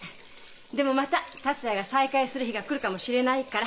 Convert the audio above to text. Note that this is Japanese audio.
でもまた達也が再開する日が来るかもしれないから。